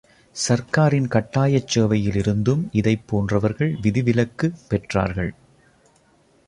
சர்க்காரின் கட்டாயச் சேவையிலிருந்தும் இதைப்போன்றவர்கள் விதிவிலக்கு பெற்றார்கள்.